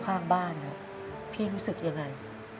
ข้างบ้านเนี่ยพี่รู้สึกยังไง